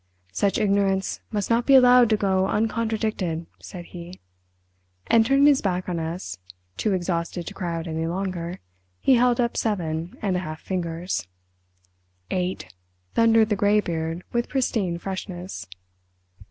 "Such ignorance must not be allowed to go uncontradicted," said he, and turning his back on us, too exhausted to cry out any longer, he held up seven and a half fingers. "Eight!" thundered the greybeard, with pristine freshness.